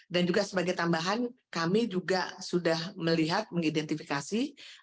dan juga sebagai tambahan kami juga sudah melihat mengidentifikasi